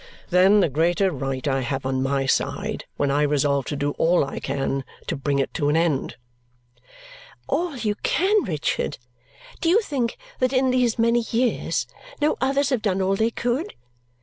Then the greater right I have on my side when I resolve to do all I can to bring it to an end." "All you can, Richard! Do you think that in these many years no others have done all they could?